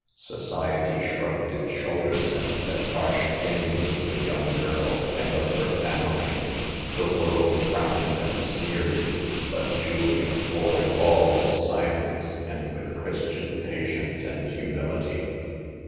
Society shrugged its shoulders and said harsh things of the young girl, and of her family; the world frowned and sneered, but Julia bore it all in silence and wifli Christian patience and humility.